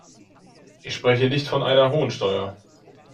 Ich spreche nicht von einer hohen Steuer.